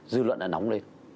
dư luận đã nóng lên